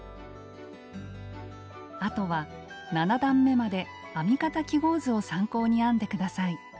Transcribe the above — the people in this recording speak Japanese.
あとは７段めまで編み方記号図を参考に編んで下さい。